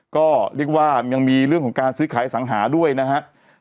ก็เรียกว่ายังมีเรื่องของการซื้อขายสังหาด้วยนะครับ